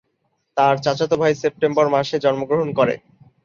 তার চাচাতো ভাই সেপ্টেম্বর মাসে জন্মগ্রহণ করে।